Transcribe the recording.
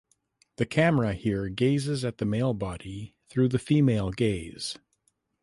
The camera here gazes at the male body through the female gaze.